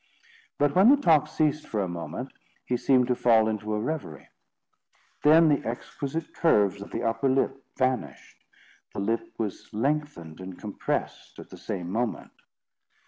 But when the talk ceased for a moment, he seemed to fall into a reverie. Then the exquisite curves of the upper lip vanished. The lip was lengthened and compressed at the same moment.